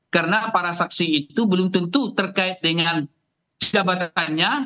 karena para saksi itu belum tentu terkait dengan sejabatannya